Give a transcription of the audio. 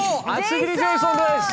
厚切りジェイソンです！